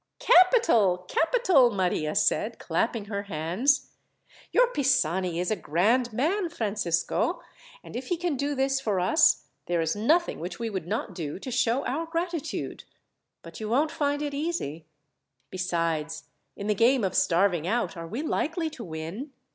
"Capital, capital!" Maria said, clapping her hands. "Your Pisani is a grand man, Francisco. And if he can do this for us, there is nothing which we would not do to show our gratitude. But you won't find it easy; besides, in the game of starving out, are we likely to win?